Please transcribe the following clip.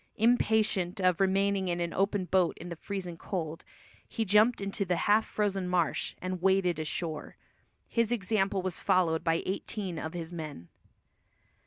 Impatient of remaining in an open boat in the freezing cold, he jumped into the half frozen marsh, and waded ashore. His example was followed by eighteen of his men.